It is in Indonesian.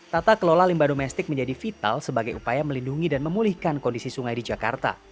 tata kelola limbah domestik menjadi vital sebagai upaya melindungi dan memulihkan kondisi sungai di jakarta